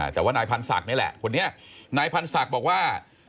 แต่ว่านายพันศักดิ์นี่แหละคนนี้นายพันธ์ศักดิ์บอกว่า